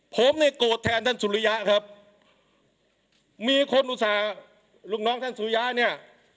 ผมเรียกโกธแทนท่านสุริยะครับมีคนอุกต่อรุกน้องสุยะเนี่ย